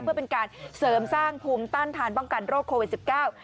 เพื่อเป็นการเสริมสร้างภูมิต้านทานป้องกันโรคโควิดสิบเก้า